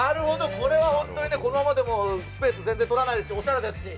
これは本当にこのままでもスペース全然取らないしおしゃれですし。